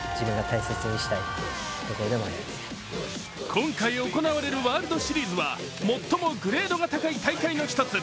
今回行われるワールドシリーズは最もグレードが高い大会の１つ。